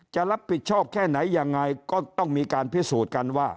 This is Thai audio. จะรับผิดชอบแค่ไหนยังไงก็ต้องมีการพิสูจน์กันว่า